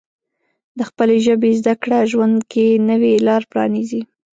د خپلې ژبې زده کړه ژوند کې نوې لارې پرانیزي.